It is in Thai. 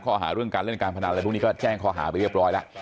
ข้อหาเรื่องการเล่นการพนันอะไรพวกนี้ก็แจ้งข้อหาไปเรียบร้อยแล้ว